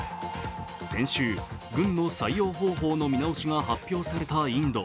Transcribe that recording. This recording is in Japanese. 先週、軍の採用方法の見直しが発表されたインド。